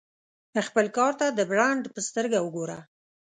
خپل کار ته د برانډ په سترګه وګوره.